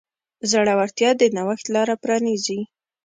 زړورتیا د نوښت لاره پرانیزي.